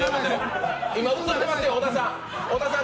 今、映ってますよ、小田さん